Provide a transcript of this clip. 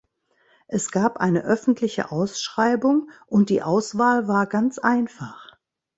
Es gab eine öffentliche Ausschreibung, und die Auswahl war ganz einfach.